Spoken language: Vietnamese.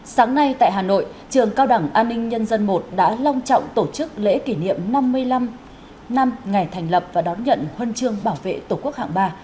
sáng nay tại hà nội trường cao đẳng an ninh nhân dân i đã long trọng tổ chức lễ kỷ niệm năm mươi năm năm ngày thành lập và đón nhận huân chương bảo vệ tổ quốc hạng ba